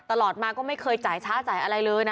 ตลอดมาก็ไม่เคยจ่ายช้าจ่ายอะไรเลยนะ